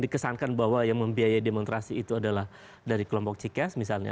dikesankan bahwa yang membiayai demonstrasi itu adalah dari kelompok cik misalnya